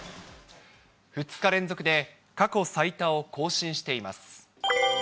２日連続で過去最多を更新しています。